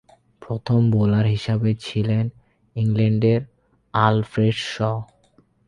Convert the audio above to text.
প্রথম বোলার হিসেবে ছিলেন ইংল্যান্ডের আলফ্রেড শ।